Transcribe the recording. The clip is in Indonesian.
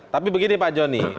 tapi begini pak jonny